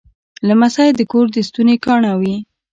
لمسی د کور د ستوني ګاڼه وي.